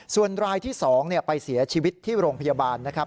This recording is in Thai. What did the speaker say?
ส่วนรายที่๒ไปเสียชีวิตที่โรงพยาบาลนะครับ